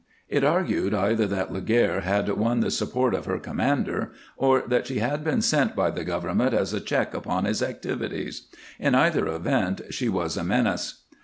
It argued either that Laguerre had won the support of her commander or that she had been sent by the government as a check upon his activities. In either event she was a menace.